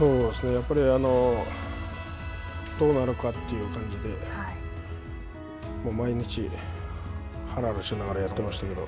やっぱりどうなるかという感じで毎日はらはらしながらやってましたけど。